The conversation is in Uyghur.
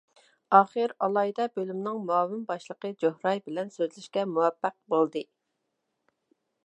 ئاخىر ئالاھىدە بۆلۈمنىڭ مۇئاۋىن باشلىقى جوھراي بىلەن سۆزلىشىشكە مۇۋەپپەق بولدى.